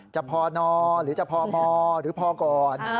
จะพอนอนหรือจะพอมอหรือพอก่อน